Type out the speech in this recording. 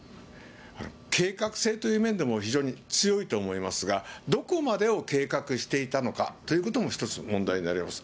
計画性という面でも非常に強いと思いますが、どこまでを計画していたのかということも、１つ問題になります。